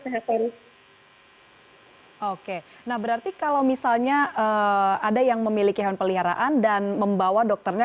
hai oke nah berarti kalau misalnya ada yang memiliki hewan peliharaan dan membawa dokternya